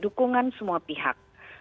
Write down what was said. dukungan semua pihak